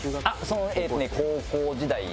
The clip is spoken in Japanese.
高校時代。